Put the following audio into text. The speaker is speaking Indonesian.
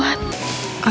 pak bangun kamu